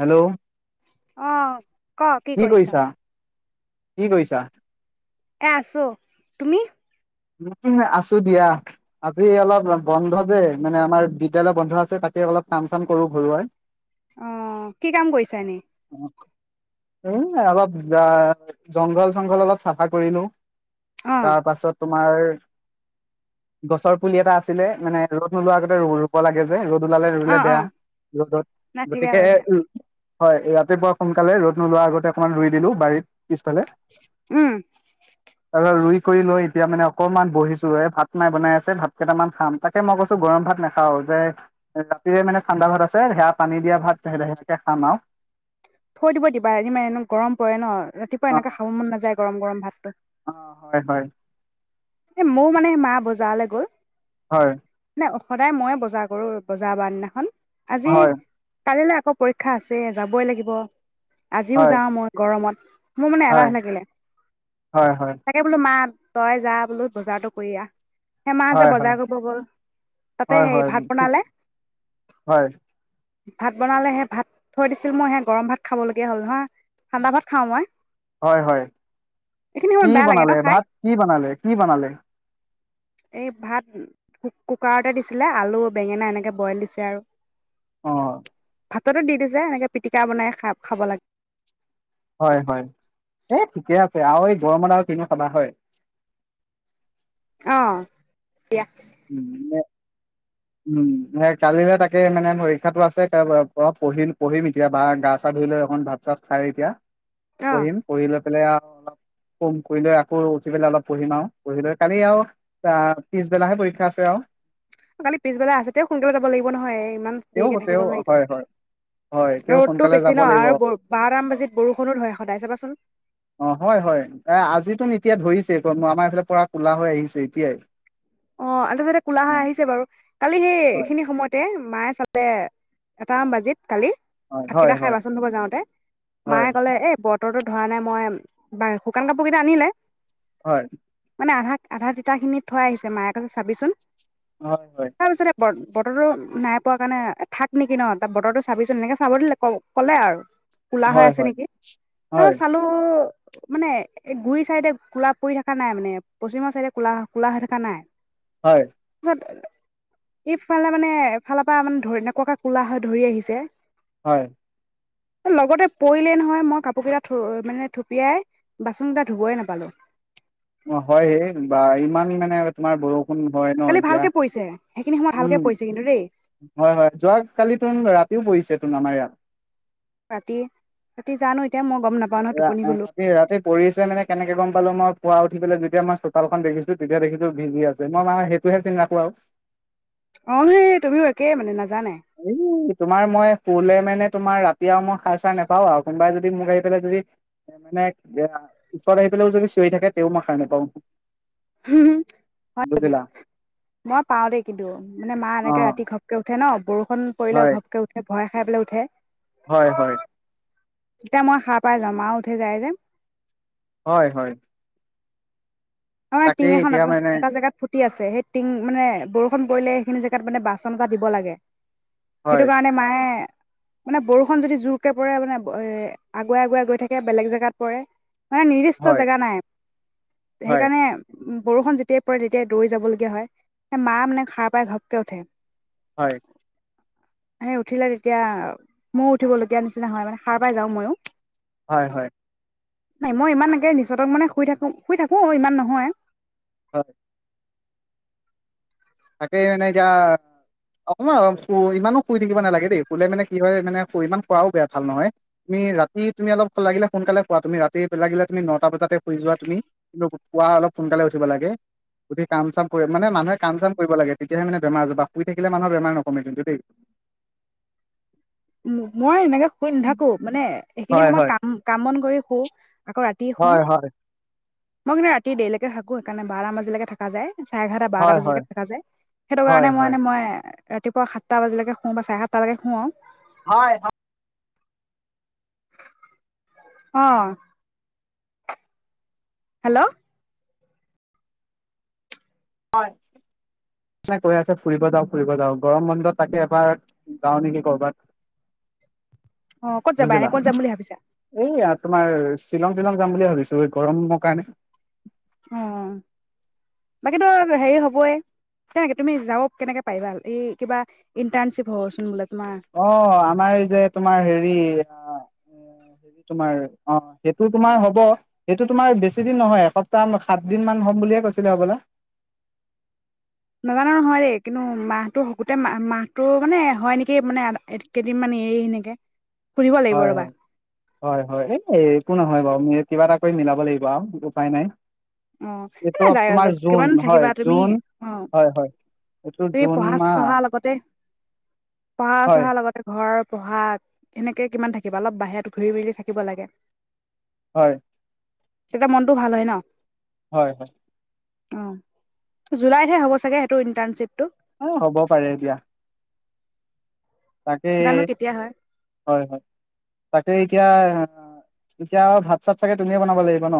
Hello. অ । ক কি কৰিছ । কি কৰিছা? এ আছো তুমি। ন আছো দিয়া আজি অলপ বন্ধ যে মানে আমাৰ বিদ্যয়ালয় বন্ধ আছে তাকে অলপ কাম চাম কৰো ঘৰুৱা । অ কি কাম কৰিছা এান এ অলপ জংঘল চংঘল অলপ চাফা কৰিলো । অ তাৰ পাছত । তোমাৰ গছৰ পুলি এটা আছিলে মানে ৰ'দ নোলোৱা আগতে ৰ ৰুব লাগে যে ৰ'দ । লালে ৰুলে অ অ বেয়া ৰ'দত না ঠিকে গতিকে কৰিছা উ । হয় ৰাতিপুৱা সোনকালে ৰ'দ নোলোৱাৰ আগতে অকণমান ৰুই দিলো বাৰীত পিছফালে উম ত ই কৰি লৈ এতিয়া মানে অকণমান বহিছো এ ভাত নাই বনাই আছে ভাত কেইটামান খাম তাকে মই কৈছো গৰম ভাত নাখাও যে ৰাতিৰে মানে ঠাণ্ডা ভাত আছে সেয়া পানী দিয়া ভাত সেনেকে খাম আৰু থৈ দিব দিবা আি মমান এনে গৰম পৰে ন ৰাতিপুৱা অ এনেককা খাব মন নাযায় গৰম গৰম ভাত অ হয় হয় এ মোৰ মানে মা বজাৰলৈ গ'ল । হয় । সদায় মইে বজাৰ কৰো বজাৰ বাৰ দিনাখন আজি হয় কালিলা । কৌ পৰীক্ষা আছে যাবই লাগিব । আজিও হয় যাওঁ মই গৰমত । মোৰ মানে এলাহ হয় লাগিলে হয় তাকে বোলো মা । তই যাম বজাৰটো কৰি আহ সেমাহ যে হয় হয় বজাৰ কৰিব গ'ল তাতে হয় হয় হেই হয় ভাত ঠিক বনালে হয় ভাত বনালে সে ভাত থৈ দিছিল মই সে গৰম ভাত খাব লগগীয়া হ'ল নহ ঠাণ্ডা ভাত খাওঁ মই হয় হয় এইখিনি কি সময়ত বেয়া লাগে ন বনালে খাই ভাত কি বনালে কি বনালে এই ভাত কুকাৰতে দিছিলে আলু বেঙেনা এনেকে বইল দিছে আৰু অ । ভাততেো দি দিছে এনেকে পিটিকা বনাই খা খাব লাগে । হয় হয় এই ঠিকে আছে আৰু এই গৰমত আৰু কিনি খাবা হয় । অ দিয়া । উম । উম সেই কালিলে তাকে মানে পৰীক্ষাতটো আছে অ পঢ়িম পঢ়িম এতিয়া বা গা চা ধুই লৈ অখন ভাত চাত খাই এতিয়া । অ পঢ়িম পঢ়িলে । আৰু অলপ কম কৰি লৈ আকৌ উঠি পেলাই অলপ পঢ়িম আৰু পঢ়ি লৈ কালি আৰু আহ পিছবেলাহে পৰীক্ষা আছে আৰু কালি পিছবেলা আছে তে সোনকালে যাব লাগিব নহয় ইমান তেওঁ দেৰিকে থাকিব তেওঁ নোৱাৰিটো। হয় হয় হয় তেওঁ ৰ'দটো সোনকালে বেছি যাব ন লাগিব হয় আৰু বাৰটাম বাজিত বৰষুণো ধৰে সদায় চাবাচোন। অ হয় হয় এ আজিতো এতিয়া ধৰিছে আমাৰ এইফালে পৰা কলা হৈ আহিছে এতিয়াই অ আছাতে কোলা অ হৈ আহিছে বাৰু। কালি হয় সেইখিনি সময়তে মায়ে চালে এটাম বাজিত কালি হয় ভাতকেইটা হয় খাই হয় বাচোন ধুব যাওঁতে হয় মায়ে কলে এ বৰ বতৰো ধৰা নাই মই বা শুকান কাপোৰ কেইটা আনিলে। হয় মানে আধা আধা তিতখিনিত থৈ আহিছে। মায়ে কথা চাবিচোন। হয় হয়। তাৰপিছতে বতৰটো নাই পোৱা কাৰণে থাক নেকি ন ত বতৰটো চাবিচোন এনেকে চাব দিলে ক'লে আৰু। কোলা হৈ হয় হয় আছে নেকি হয় হয় তাৰপ চালো। মানে এই গুৰি চাইডে কোলা পৰি থকা নাই মানে পশ্চিমৰ চাইডে কোলা কোলা হৈ থাক জনাই হয় ইফালে মানে এফালৰ পৰা মানে ধৰি এনেকুৱাকে কোলা হয় ধৰি আহিছে হয় লগতে পৰিলেই নহয় মই কাপোৰ কেইটা মানে থুপিয়াই বাচন কেইটা ধুবই নাপালো। অ হয় হ বা ইমান মানে তোমাৰ বৰষ োন হয় ন কালি এতিয়া ভালকে পৰিছে সেইখিনি সময়ত ভালকে উম পৰিছে কিন্তু দেই হয় হয় যোৱা কালি ত ৰাতিও পৰিছে নমা ৰাতি ৰাতি জানো এতিয়া মই। গম নাপাও নহয় টোপনি গলো ৰাতি ৰাতি পৰিছে মানে কেনেকে গম পালো মই পুৱা উঠি পেলাই যেতিয়া মই চোতালখন দেখিছো তেতিয়া দেখিছো ভিজি আছে মই মানে সেইটোহে চিনি ৰাখো আৰু। অ তুমিও একে মানে নাজান হ তোমাৰ মই শলে মানে তোমাৰ ৰাতি আৰু মই সাৰ চাৰ নোপাও আৰু কোনোবাই যদি মোক আহি পেলাই যদি মানে ওচৰত আহি পেলাইও যদি চিঞৰি থাকে তেও মই সাৰ নোপাওঁ হয় নেকি মই পাও দেই কিন্তু মানে মা অ এনেকে ৰাতি ঘপকে উঠে ন বৰষুণ খন পৰিলে হয় ঘপকে উঠে ভয় খাই পেলাই উঠে। হয় হয় তেতিয়া মই সাৰ পাই যাম আৰু উঠি যায় যে হয় হয় আমাৰ টিং তাকেই এখন এতিয়া এটা মানে এটা জেগাত ফুটি আছে সেই টিং মানে বৰষু কৰিলে সেইখিনি জেগাত মানে বাচন এটা দিব লাগে হয় সেইটো কাৰণে মায়ে মানে বৰষুণ যদি জোৰকে পৰে মানে এ আগুৱাই আগুৱাই গৈ থাকে বেলেগ জেগাত পৰে। মানে নিৰ্দিষ্ট হয় জেগা নাই। হয় সেইকাৰণে বৰষুণ যেতিয়াই পৰে তেতিয়াই দৌৰি যাব লগগীয়া হয়। সেই মা মানে সাৰ পাই ঘপকে উঠে। হয়। হ উঠিলে তেতিয়া ময়ো উঠিব লগগীয়া নিচিনা হয় মানে সাৰ পাই যাও ময়ো। হয় হয়। নাই মই ইমান একে নিচতক মানে শুই থাকো শুই থাকো অ ইমান নহয় হয়। তাকে মানে এতিয়া অকমানু ইমানো শুই থাকিব নালাগে দেই। শুলে মানে কি হয় মানে ইমান শুৱাও বেয়া ভাল নহয়। তুমি ৰাতি তুমি অলপ লাগিলে সোনকালে শুৱা তুমি, ৰাতি পেলাগিলে তুমি নটা বজাতে শুই যোৱা তুমি। কিন্তু পুৱা অলপ সোনকালে উঠিব লাগে, উঠি কাম চাম মানে মানুহে কাম চাম কৰিব লাগে তেতিয়াহে মানে বেমাৰজ বা শুই থাকিলে মানুহৰ বেমাৰ নকমে কিন্তু দেই। মই এনেকে শুই নাথাকো মানে এইখিনি হয় সময়ত হয় কাম বন কৰি শু আকৌ ৰাতি শু হয় হয়। মই কিন্তু ৰাতি দেৰলেকে থাকো সেইকাৰণে বাৰটা বজালেকে থাকা যায়। চাৰে এঘাৰটা বাৰটা হয় হয় বাজিলৈকে থকা যায়। সেইটো হয় কাৰণে মই মানে মই ৰাতিপোৱা সাতটা বজালেকে শুওঁ বা চাৰে সাতট লকে শু আও। হয় হয়। অ। হেল্ল' কৈ আছে ফুৰিব যাও ফুৰিব যাওঁ, গৰম বন্ধত তাকে এবাৰ যাওঁ নেকি কৰ'বাত? অ ক'ত যাবা এনে বুজিলা, ক'ত যাম বুলি ভাবিছা এইয়া তোমাৰ শ্বিলং শ্বিলং যাম বুলি ভাবিছো এই গৰমৰ কাৰণে। আহ। বাকীতো হেৰি হ'বই নে তুমি যাৱ কেনেকে পাইবা? এই কিবা ইণ্টাৰ্শ্বিপ হ'বচোন বোলে। তোমাৰ অ আমাৰ এই যে তোমাৰ হেৰি অ হেৰি তোমাৰ অ সেইটো তোমাৰ হব। সেইটো তোমাৰ বেছি দিন নহয় এসপ্তাহ সাত দিন মান হম বুলিয়ে কৈছিলে হবলা। নাজানো নহয় দেই, কিন্তু মাহটো গোটেই মাহ মাহটো মানে হয় নেকি মানে কেইদিনমানান এৰি সেনেকে। সুধিব লাগিব হয় ৰ'বা হয় হয় হয় এই। একো নহয় বাৰু কিবা এটা কৰি মিলাব লাগিব আও উপায় নাই। অ এইটো এনেই যায় তোমাৰ জুন কিমানো হয় থাকিবা। তুমি জুন অ হয় হয় এইটো তুমি জুন পঢ়া মাহ চহা লগতে পঢ়া হয় চহা লগতে ঘৰৰ পঢ়া এনেকে কিমান থাকিবা অলপ বাহিৰত ঘূৰি ফৰি থাকিব লাগে। হয়। তেতিয়া মনটোও ভাল হয় ন। হয় হয়। অ জুলাইতহে হ'ব চাগে সেইটো ইণ্টাৰ্ণশ্বিপটো? অ হ'ব পাৰে এতিয়া। তাকে জানো কেতিয়া হয় হয় হয় তাকে এতিয়া এতিয়া আৰু ভাত চাত চাগে তুমিয়ে বনাব লাগিব ন?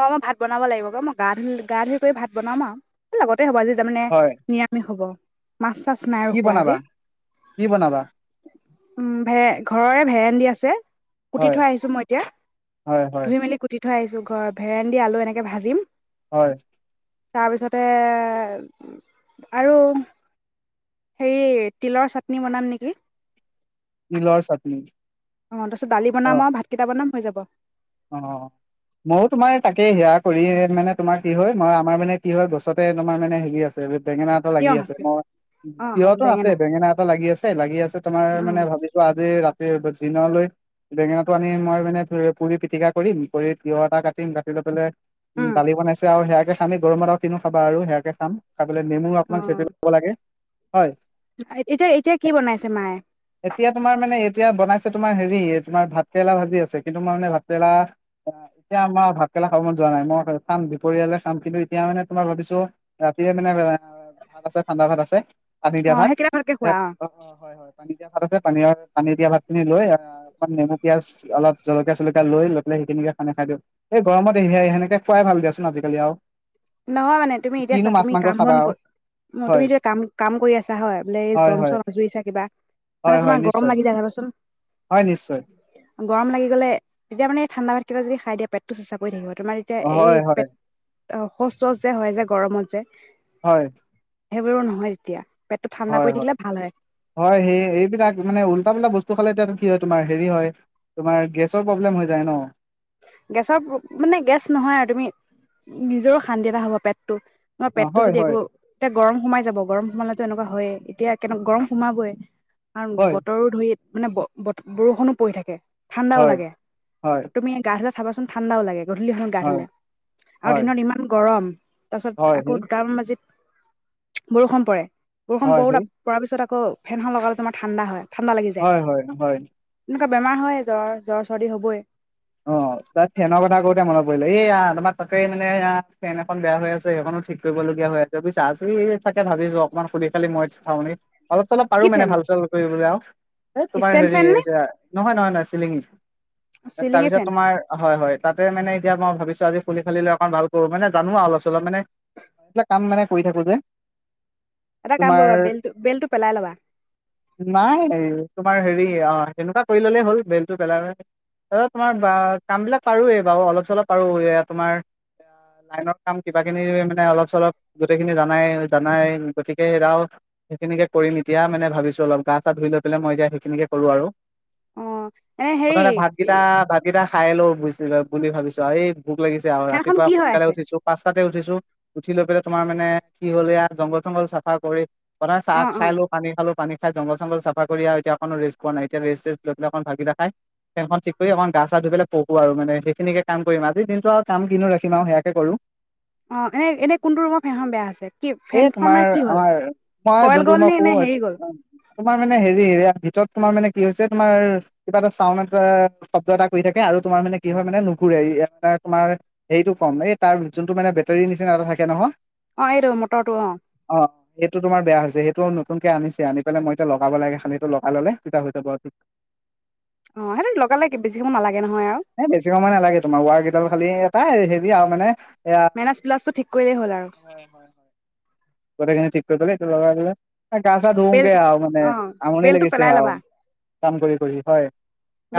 অ মই ভাত বনাব লাগিব ব মই গা ধুই গা ধুই কৰি ভাত বনাম আউ লগত আজি তাৰ মানে হয়, নিৰামিষ হব ৷ মাছ চাছ নাই কি ৰখোৱা বনাবা? আজি কি বনাবা? উ ভে ঘৰৰে ভেন্দী আছে ৷ যে [unintelligible] কুটি হয়, থৈ আহিছো মই এতিয়া হয়, হয়, ধুই মেলি কুটি থৈ আহি খাদ [unintelligible] ভেণ্ডী দি আলু এনেকৈ ভাজিম হয় তাৰপিছতে আৰু হেৰি তিলৰ চাটনি বনাম নেকি৷ তিলৰ চাটনি ৷ অ তাৰপিছত দালি বনাম আৰু ভাতকেইটা বনাম হৈ যাব অ মইয়ো তোমাৰ তাকে সেয়াক কৰি মানে তোমাৰ কি হয় মই আমাৰ মানে কি হয় গছতে তোমাৰ মানে হেৰি আছে বেঙেনা এটা লাগি আছে মই অ', অ', তিয়হটো আছে বেঙেনা এটা লাগি আছে লাগি আছে তোমাৰ মানে অ', ভাবিছো আজি ৰাতি দিন লৈ বেঙেনাটো আনি মই মানে ধৰি পুৰি পিটিকা কৰিম কৰি তিয়হ এটা কাটিম কাটি লৈ পেলাই উম দালি বনাইছে আৰু সেয়া খালি গৰমতা কিনো খাবা আৰু সেয়াকে খাম৷ লে নেমু অকমান চেট অ', লব লাগে ৷ এতিয়া এতিয়া কি বনাইছে মায়ে? এতিয়া তোমাৰ মানে এতিয়া বনাইছে তোমাৰ হেৰি তোমাৰ ভাত কেৰেলা ভাজি আছে কিন্তু তোমাৰ মানে ভাতকেৰেলা আহ এতিয়া আমাৰ ভাতকেৰেলা খাব মন যোৱা নাই মই খাম দুপৰয়ালে খাম কিন্তু এতিয়া মানে তোমাৰ ভাবিছো ৰাতিয়ে মানে ভাত আছে ঠাণ্ডা ভাত আছে পানী দিয়া অ', ভাত সেইকেইটা ভালকে এ খোৱা অ হয় - হয় পানী দিয়া ভাত আছে পানী-পানী দিয়া ভাত খিনি লৈ অ অকমান নেমু পিয়াজ অলপ জলকীয়া চলকীয়া লৈ-লৈ পেলাই সেইখিনিকে খানে খাই দিওঁ এই গৰমত সে সেনেকে খুৱাই ভাল দিয়াচোন আজিকালি আৰু৷ নহয় মানে তুমি এতিয়াছা কিনো মাছ তুমি মাংস কাম খাবা বন আৰু হয় তুমি এতিয়া কাম কাম কৰি আছা হয় বোলে এই হয় বন হয় চন আজুৰিছা কিবা মানে হয় তোমাৰ হয় গৰম নিশ্চয় লাগি যায় চাবাচোন হয় নিশ্চয় গৰম লাগি গল তেতিয়া মানে ঠাণ্ডা ভাত কেইটা যদি খাই দিয় পেটো চঁচা কৰি থাকিব । তোমাৰ এতিয়া এই হয় হয় হয় পেট সৌচ চৌচ যে হয় যে গৰমত যে হয় সেইবোৰো নহয় তেতিয়া ৷ হয়-হয়-হয় সেই এইবিলাক মানে উল্টা পুল্টা বস্তু খালে এতিয়া কি হয় তোমাৰ হেৰি হয় তোমাৰ গেছৰ প্ৰব্লেম হৈ যায় ন! গেছৰ মানে গেছ নহয় আৰু তুমি নিজৰও শান্তি এটা হ'ব পেট তোমাৰ অ পেটতটো হয় যদি হয় একো এতিয়া গৰম সোমাই যাব গৰম সোমালেতো এনেকুৱা হয়েই। এতিয়া কেনেক গৰম সোমাবই। কাৰণ হয় বতৰো ধৰি মানে ব বৰষুণো পৰি থাকে। ঠাণ্ডাও হয় লাগে হয়। তুমি গা ধুলে চাবাচোন ঠাণ্ডাও লাগে। গধূলিখন গা হয় ধুলে আৰু দিনত ইমান গৰম। তাৰ পাছত হয় হয় আকৌ সেই দুটামান বাজিত বৰষুণ পৰে বৰষুণ হয় বুত সেই পৰাৰ পিছত আকৌ ফেনখন লগালে তোমাৰ ঠাণ্ডা হয় ঠাণ্ডা লাগি যায় হয় হয় হয়। এনেকুৱা বেমাৰ হয় জ্বৰ জ্বৰ চৰ্দি হ'বই। অ তাত ফেনৰ কথা কওতে মনত পৰিলে এইয়া তোমাৰ তাতেই মানে ফেন এখন বেয়া হৈ আছে সেইখনো ঠিক কৰিবলগীয়া হৈ আছে বুজিছা আজি চাগে ভাবিছো অকনমান খুলি খালি মই চাওঁ নেকি অলপ চলপ পাৰো কি মানে ফেন ভাল চাল কৰিবলৈ আৰু এ তোমাৰ ষ্টেণ্ড হেৰি ফেন নে নহয় নহয় নহয় চিলিঙ চিলিঙি তাৰপিছত ফেন তোমাৰ হয় হয় তাতে মানে এতিয়া মই ভাবিছো আজি খুলি খালি লৈ অকণ ভাল কৰো মানে জানো অলপ চলপ মানে এইবিলাক কাম মানে কৰি থাকো যে। এটা কাম তোমাৰ, কৰিবা বেলটো বেলটো পেলাই ল'বা নাই। তোমাৰ হেৰি অ সেনেকুৱা কৰি ললেই হ'ল বেলতটো পেলালে তোমাৰ কাম বিলাক পাৰো এ বাৰু অলপ চলপ পাৰো এ তোমাৰ লাইনৰ কাম কিবাকিনি মানে অলপ চলপ গোটেইখিনি জানাই জানাই গতিকে সেয়াও সেইখিনিকে কৰিম এতিয়া মানে ভাবিছো অলপ গা চা ধুই লৈ পেলাই মই এতিয়া সেইখিনিকে কৰো আৰু। অ এনে হেৰি কিতা ভাত কিতা খাই লও বুজি বুলি ভাবিছো এই ভোক লাগিছে আৰু ফেনখন ৰাতিপুৱা কি হৈ সোনকালে আছে উঠিছো পাঁচটাতে উঠিছো উঠি লৈ পেলাই তোমাৰ মানে কি হ'ল এ জংঘল চংঘল চাফা কৰি প্ৰথমে অ চাহ অ খালো পানী খালো পানী খাই জংঘল চংঘল চাফা কৰি আৰু এতিয়া অকনো ৰেষ্ট পোৱা নাই ।এতিয়া ৰেষ্ট চেষ্টা লৈ পেলাই অকন ভাত কেইটা খাই ফেনখন ঠিক কৰি অকণ গা চা ধুই পেলাই পঢ়ো আৰু মানে সেইখিনিকে কাম কৰিম। আজি দিনটো আৰু কাম কিনো ৰাখিম আৰু সেয়াকে কৰো। অ এনে এনে কোনটো ৰুমৰ ফেনখন বেয়া হৈ আছে কি এই ফেনখন তোমাৰ মানে কি হ'ল আমাৰ মই কইল যোনটো গ'ল ৰুমত নে এনেই শু হেৰি গ'ল? তোমাৰ মানে হেৰি ভিতৰত তোমাৰ মানে কি হৈছে তোমাৰ কিবা এটা চাউণ্ড এ শব্দ এটা কৰি থাকে আৰু তোমাৰ মানে কি হয় মানে নুঘুৰে। তোমাৰ হেৰিটো কম এই তাৰ যোনটো মানে বেটৰী নিচিনা এটা থাকে নহয়। অ এইটো মটৰটো অ সেইটো তোমাৰ বেয়া হৈছে সেইটো টো নতুনকে আনিছে আনি পেলাই মই এতিয়া লগাব লাগে খালি সেইটো লগাই ললে তেতিয়া হৈ যাব অ সেই লগেছ সময়ালাগে এ বেছি সময় নালাগে তোমাৰ ৱাৰ কেইটাল খালি তাই হেবি আৰু মানে মেনাছ প্লাছটো ঠিক কৰিলেই হ'ল আৰু হয় হয় হয় ঠিক ব গা চা বেল ধুওগে আৰু মানে অ' আমনি বেলটো লাগিছেে পেলাই আৰু ল'বা কাম কৰি কৰি হয়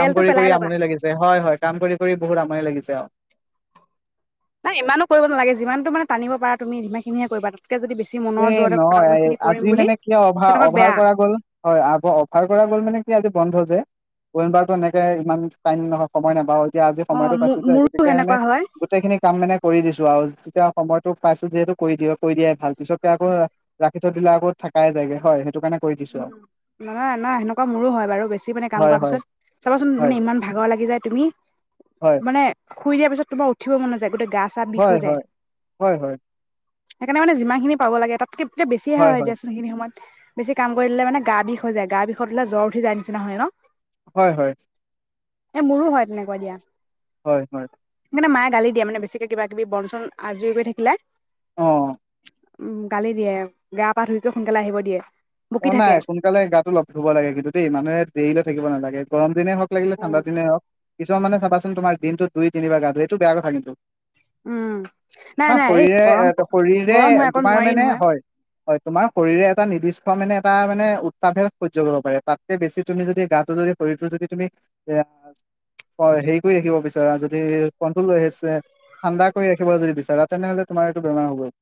কাম কৰি পেলাই কৰি ল'বা আমনি লাগিছে হয় হয় কাম কৰি কৰি বহুত আমনি সময় লাগিছে আৰু নাই ইমানো কৰিব নালাগে যিমানন মানে টানিব পাৰা তুমিমানখিনিহে কৰিবা তাতকে যদি বেছি এ মনৰ জোৰতে কৰা নহয় মই এইখিনি কৰিম আজি বুলি মানে কিয় অভাৰ তেনেকুৱা অভাৰ বেয়া কৰা গ'ল হয় অভাৰ কৰা গ'ল মানে কি আজি বন্ধ যেমাৰতো এনেকে ইমান টাইম নহয় সময় নাপা এতিয়া আজি অ' সময়তটো মোৰ পাইছো যে মোৰো গতিকে মানে সেনেকুৱা হয় গোটেই খিনি কাম মানে কৰি দিছো আৰু তেতিয়া সময়তো পাইছো যিহেতু কৰি দিয়ে কৰি দিয়াই ভাল পিছত আকৌ ৰাখি থ দিলা আকৌ থাকাই যায়গে হয় সেইটো কাৰণে কৰি দিছো উ আৰু নানা না সেনেকুৱা মোৰো হয় বাৰু বেছি মানে কাম হয় কৰ হয় পিছত চাবাচোন মানে ইমান ভাগৰ লাগি যায় তুমি হয় মানে শুই দিয়াৰ পিছত তোমাৰ উঠিব মন নাযায় গোটেই গা চা বিষ হয় হৈ যায় হয় হয় হয় সেইকাৰণে যিমানখিনি পাব লাগে তাতক কি এতিয়া বেছিয়ে হয় এখিনি সমত বেছি কাম কৰি দিলে মানে গা বিষ হৈায় গা বিষত বোলে জ্বৰ উঠি যায় নিচিনা হয় ন হয় হয় এ মোৰো হয় তেনেকুৱা দিয়া হয় হয় ে মায়ে গালি দিয়া মানে বেছিকে কিবা কিবি বন চন আজৰি কৰি থাকিলে অ উম গালি দিয়ে বেয়া পা ধুইক সোনকালে আহিব দিয়ে অ বকি নাই থাকে সোনকালে গাতটো লগ ধুব লাগে কিন্তু দেই মানুহে দেৰিলে থাকিব নালাগে গৰম দিনে হওক লাগিলে ঠণ্ডা দনে হওক কিছু মান চা তমাৰ দিনটো দুই তিনাৰ গ ধো এইটো বেয়া কথা কিন্তু উম নাই তোমাৰ নাই এই শৰীৰে গৰম শৰীৰে গৰম হয় আকৌ তোমাৰ নোৱাৰি মানে নহয় হয় হয় তোমাৰ শৰী এটা নিৰ্দিষ্ট মানে এটা মানে উত্তাপে সহ্য় কৰিব পাৰে তাতকে বেছি তুমি যদি গাটো যদি শৰীৰটো যদি তুমি এ হেৰি কৰি ৰাখিব বিচাৰা যদি কণ্ট্ৰল আহিছে ঠাণ্ডা কৰি ৰাখিব যদি বিচাৰা তেনেহলে তোমাৰ এইটো বেমাৰ হ'ব